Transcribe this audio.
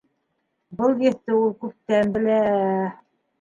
Был еҫте ул күптән белә!